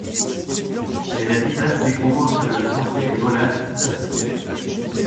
Mais la bidasse découvre que le fiancé est volage et superficiel.